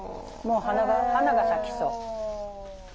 もう花が咲きそう。